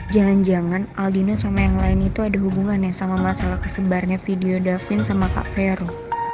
jangan jangan aldino sama yang lain itu ada hubungannya sama masalah kesebarnya video davin sama kak fero